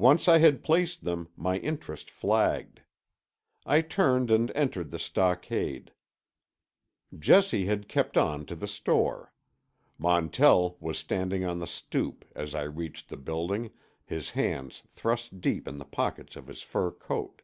Once I had placed them, my interest flagged. I turned and entered the stockade. Jessie had kept on to the store. Montell was standing on the stoop, as I reached the building, his hands thrust deep in the pockets of his fur coat.